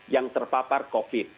yang terpapar covid